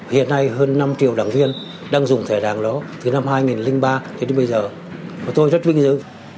hiện nay hơn năm triệu đảng viên đang dùng thẻ đảng đó từ năm hai nghìn ba cho đến bây giờ mà tôi rất vinh dự